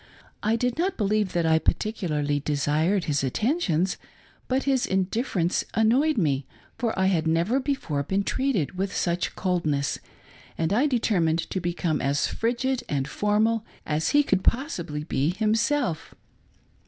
I did not believe that I particularly desired his attentions, but his indifference annoyed me — ^for I had never before been treated with such coldness, and I determined to become as frigid and formal as he could possibly be himself.